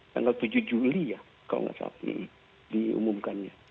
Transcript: tanggal tujuh juli ya kalau nggak salah diumumkannya